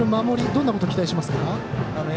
どんなこと期待しますか？